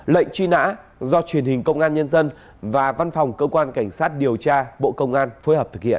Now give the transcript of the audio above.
lệnh truy nã do truyền hình công an nhân dân và văn phòng cơ quan cảnh sát điều tra bộ công an phối hợp thực hiện